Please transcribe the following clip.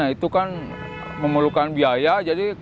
itu kan memerlukan biaya